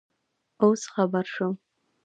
اوس خبر شوم